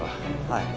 はい。